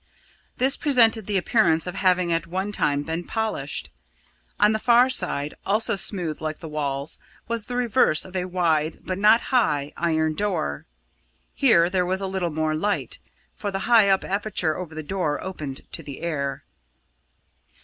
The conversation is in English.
This presented the appearance of having at one time been polished. On the far side, also smooth like the walls, was the reverse of a wide, but not high, iron door. Here there was a little more light, for the high up aperture over the door opened to the air.